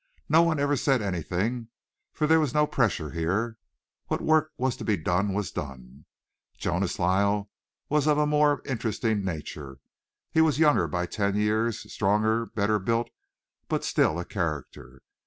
No one ever said anything, for there was no pressure here. What work was to be done was done. Jonas Lyle was of a more interesting nature. He was younger by ten years, stronger, better built, but still a character.